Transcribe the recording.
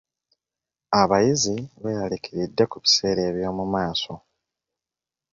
Abayizi beeralikiridde ku biseera eby'omumaaso.